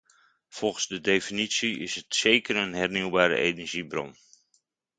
Volgens de definitie is het zeker een hernieuwbare energiebron.